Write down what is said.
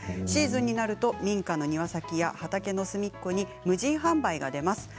シーズンになると民家の庭先や畑の隅っこに無人販売が出ます。